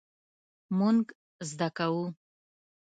مونږ زده کوو